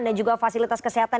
dan juga fasilitas kesehatan